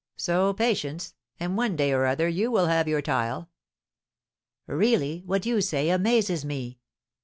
So patience, and one day or other you will have your tile." "Really, what you say amazes me!"